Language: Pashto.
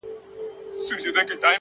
بيا به زه نه يمه عبث راپسې وبه ژاړې!!